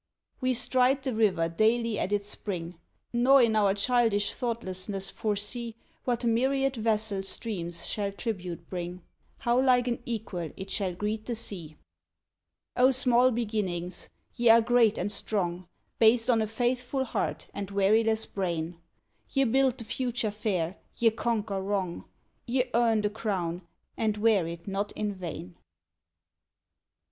We stride the river daily at its spring, Nor, in our childish thoughtlessness, foresee What myriad vassal streams shall tribute bring, How like an equal it shall greet the sea. O small beginnings, ye are great and strong, Based on a faithful heart and weariless brain! Ye build the future fair, ye conquer wrong, Ye earn the crown, and wear it not in vain.